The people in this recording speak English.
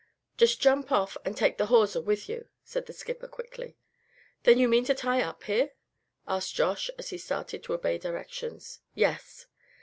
"Just jump off and take the hawser with you," said the skipper, quickly. "Then you mean to tie up here?" asked Josh, as he started to obey directions. "Yes."